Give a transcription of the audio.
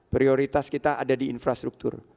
prioritas kita ada di infrastruktur